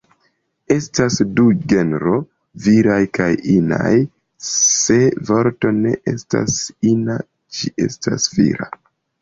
Estas du genroj: viraj kaj inaj, se vorto ne estas ina, ĝi estas vira.